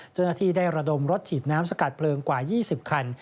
เจ้าหน้าที่ได้ระดมรถฉีดน้ำสกัดเพลิงกว่า๒๐คัน